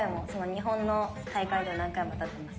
日本の大会では何回も当たってます。